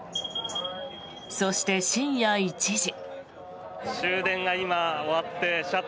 そして、深夜１時。